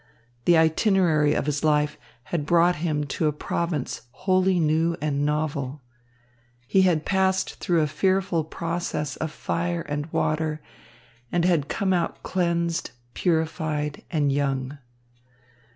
The itinerary of his life had brought him to a province wholly new and novel. He had passed through a fearful process of fire and water and had come out cleansed, purified and young.